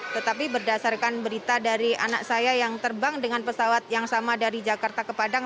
tetapi berdasarkan berita dari anak saya yang terbang dengan pesawat yang sama dari jakarta ke padang